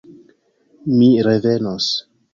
Mi revenos.